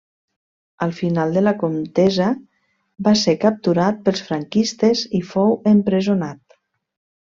Al final de la contesa va ser capturat pels franquistes, i fou empresonat.